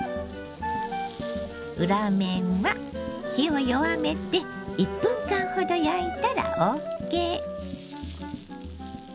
裏面は火を弱めて１分間ほど焼いたらＯＫ。